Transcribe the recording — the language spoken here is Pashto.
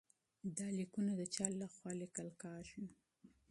دا لیکونه د چا لخوا لیکل کیږي؟